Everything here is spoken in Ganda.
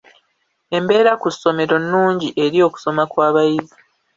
Embeera ku ssomero nnungi eri okusoma kw'abayizi.